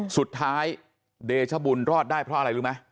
สุดท้ายเดชบุญรอดได้เพราะอะไรรู้ไหม